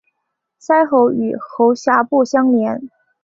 鳃膜与喉峡部相连。